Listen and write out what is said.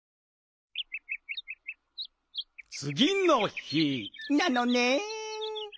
つぎの日なのねん。